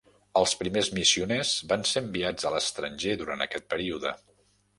Els primers missioners van ser enviats a l"estranger durant aquest període.